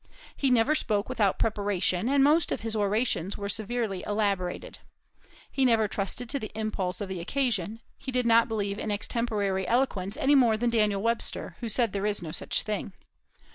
He never spoke without preparation, and most of his orations were severely elaborated. He never trusted to the impulse of the occasion; he did not believe in extemporary eloquence any more than Daniel Webster, who said there is no such thing.